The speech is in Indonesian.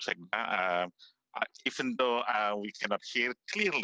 atau jika bisnis anda berhubungan dengan digital